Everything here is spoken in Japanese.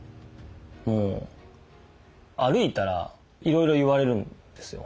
もう歩いたらいろいろ言われるんですよ